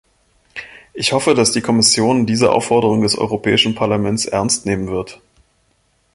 Ich hoffe, dass die Kommission diese Aufforderung des Europäischen Parlaments ernst nehmen wird.